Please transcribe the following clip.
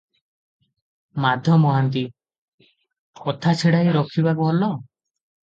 ମାଧ ମହାନ୍ତି- କଥା ଛିଡ଼ାଇ ରଖିବା ଭଲ ।